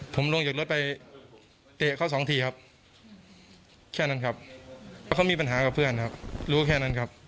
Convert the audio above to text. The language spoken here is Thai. ผมลงจากรถไปเตะเขาสองทีครับแค่นั้นครับเพราะเขามีปัญหากับเพื่อนครับรู้แค่นั้นครับ